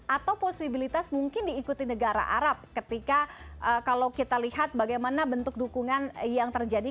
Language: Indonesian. atau posibilitas mungkin diikuti negara arab ketika kalau kita lihat bagaimana bentuk dukungan yang terjadi